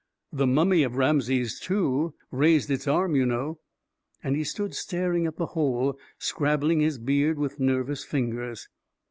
The mummy of Rameses II. raised its arm, you know." And he stood staring at the hole, scrabbling his beard with nervous fingers.